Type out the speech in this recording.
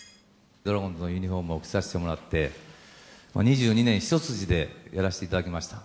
ドラゴンズのユニホームを着させてもらって、２２年一筋でやらせていただきました。